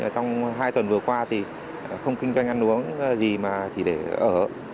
trong hai tuần vừa qua thì không kinh doanh ăn uống gì mà chỉ để ở